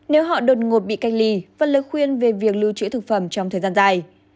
nếu họ đột ngột bị cách ly và lời khuyên về việc lưu trữ thực phẩm trong thời gian dài